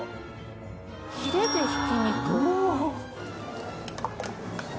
ヒレでひき肉？